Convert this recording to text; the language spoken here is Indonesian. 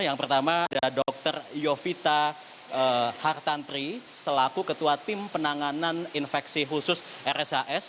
yang pertama ada dr yovita hartantri selaku ketua tim penanganan infeksi khusus rshs